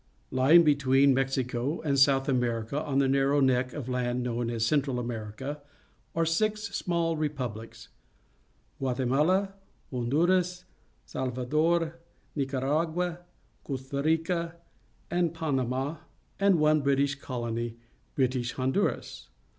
— Lying be tween Mexico and ."^outh America, on the narrow neck of land known as Central America, are six smaU repubhcs — Guatemala, Honduras, Salvador, Nicaragua, Costa Rica, and Panama, and one British colony — British Honduras.